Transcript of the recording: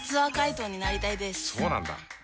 そうなんだ。